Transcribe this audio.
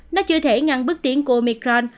nó chưa thể ngăn bước tiến của omicron